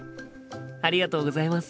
ありがとうございます。